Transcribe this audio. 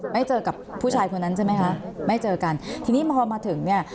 ไม่เจอกับผู้ชายคนนั้นใช่ไหมคะไม่เจอกันทีนี้พอมาถึงเนี่ย